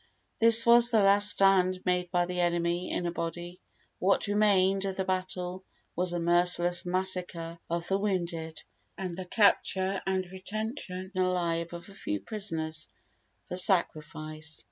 This was the last stand made by the enemy in a body; what remained of the battle was a merciless massacre of the wounded, and the capture and retention alive of a few prisoners for sacrifice.